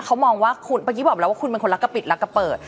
เขามองว่าคุณเมื่อกี้บอกแล้วว่าคุณเป็นคนรักกะปิดรักกะเปิด